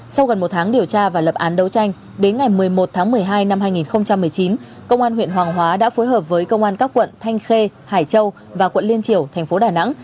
sau gần một tháng điều tra và lập án đấu tranh đến ngày một mươi một tháng một mươi hai năm hai nghìn một mươi chín công an huyện hoàng hóa đã phối hợp với công an các quận thanh khê hải châu và quận liên triểu thành phố đà nẵng